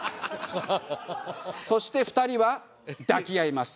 そして２人は抱き合います。